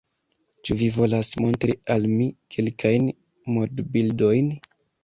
Ĉu vi volas montri al mi kelkajn modbildojn?